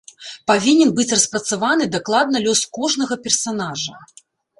Павінен быць распрацаваны дакладна лёс кожнага персанажа.